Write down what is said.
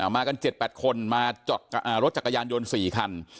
มากัน๗๘คนมารถจักรยานยนต์๔คัน